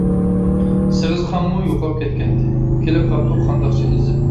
سېغىزخانمۇ يوقاپ كەتكەنتى، كېلىپ قاپتۇ قانداقچە ئېزىپ.